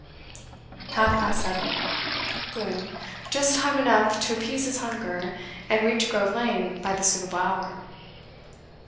Half past seven. Good; just time enough to appease his hunger and reach Grove Lane by the suitable hour.